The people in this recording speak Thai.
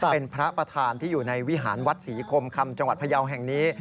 เป็นพระประธานที่อยู่ในวิหารวัดศรีคมคำจังหวัดพยาวแห่งนี้